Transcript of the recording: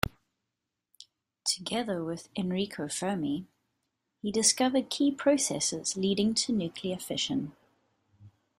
Together with Enrico Fermi, he discovered key processes leading to nuclear fission.